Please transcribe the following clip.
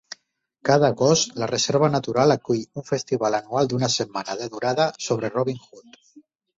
Cada agost la reserva natural acull un festival anual d'una setmana de durada sobre Robin Hood.